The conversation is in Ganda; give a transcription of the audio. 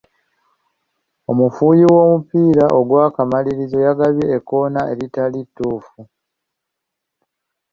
Omufuuyi w'omupiira ogw'akamalirizo yagabye ekkoona eritali ttuufu.